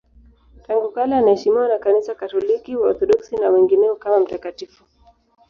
Tangu kale anaheshimiwa na Kanisa Katoliki, Waorthodoksi na wengineo kama mtakatifu.